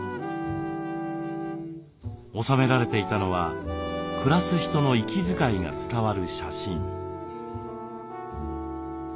収められていたのは暮らす人の息遣いが伝わる写真。